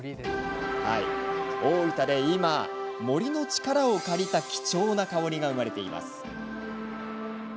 大分で今、森の力を借りた貴重な香りが生まれています。